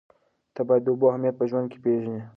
ته باید د اوبو اهمیت په ژوند کې پېژنه.